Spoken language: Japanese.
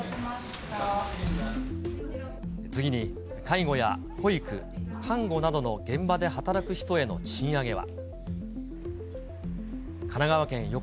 次に、介護や保育、看護などの現場で働く人への賃上げは。